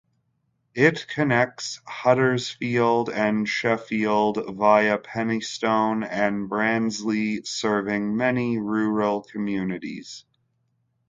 It connects Huddersfield and Sheffield via Penistone and Barnsley, serving many rural communities.